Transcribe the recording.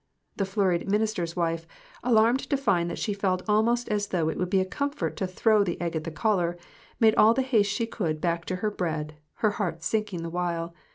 The flurried minister's wife, alarmed to find that she felt almost as though it would be a comfort to throw the egg at her caller, made all the haste she could back to her bread, her heart sinking the while.